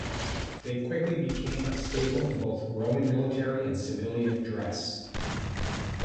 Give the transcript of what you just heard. They quickly became a staple in both Roman military and civilian dress.